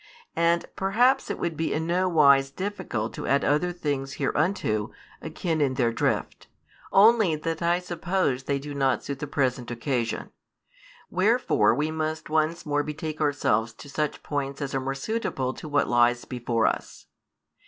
And perhaps it would be in no wise difficult to add other things hereunto, akin in their drift; only that I suppose they do not suit the present occasion. Wherefore we must once more betake ourselves to such points as are more suitable to what lies before us.